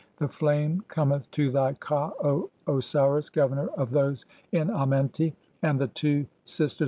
(5) [The flame cometh to thy "KA, O Osiris, governor of those in Amenti] 1 and the two "sisters